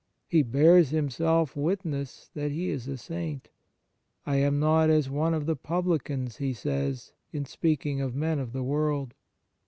He bears himself witness that he is a saint :" I am not as one of the publicans," he says, in speaking of men of the world.